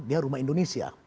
dia rumah indonesia